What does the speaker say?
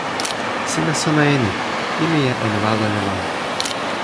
sina sona e ni: pimeja en walo li lon.